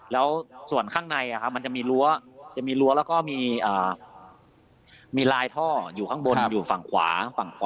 แล้วส่วนข้างในมันจะมีรั้วจะมีรั้วแล้วก็มีลายท่ออยู่ข้างบนอยู่ฝั่งขวา